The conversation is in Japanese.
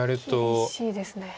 厳しいですね。